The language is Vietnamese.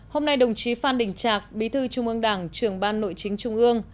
hôm nay đồng chí phan đình trạc bí thư trung ương đảng trưởng ban nội chính trung ương